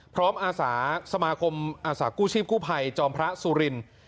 อาสาสมาคมอาสากู้ชีพกู้ภัยจอมพระสุรินทร์